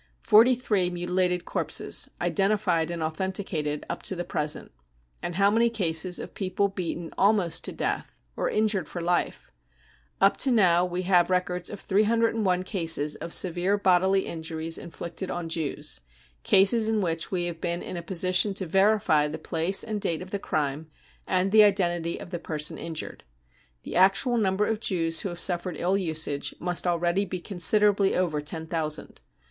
Forty three mutilated corpses, identified and authenticated up to the present — and how many cases of people beaten almost to death or injured for life ? Up to now we have records of 301 cases of severe bodily injuries inflicted on Jews — cases in which we have been in a position to verify the place and date of the crime and the identity of the person injured. The actual number of Jews who have suffered ill usage must already be considerably over ten thousand.